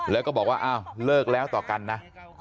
แล้วก็บอกว่าอ้าวเลิกแล้วต่อกันนะ